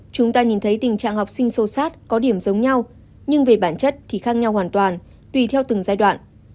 chúng ta nhìn thấy tình trạng học sinh sâu sát có điểm giống nhau nhưng về bản chất thì khác nhau hoàn toàn tùy theo từng giai đoạn